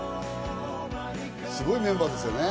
すごいメンバーですよね。